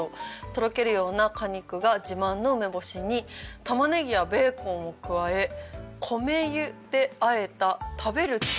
とろけるような果肉が自慢の梅干しに玉ねぎやベーコンを加え米油であえた食べる。